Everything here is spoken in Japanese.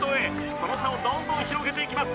その差をどんどん広げていきます。